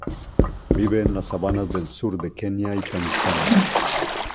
Vive en las sabanas del sur de Kenia y Tanzania.